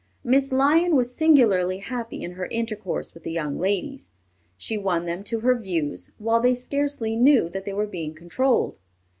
Miss Lyon was singularly happy in her intercourse with the young ladies. She won them to her views, while they scarcely knew that they were being controlled.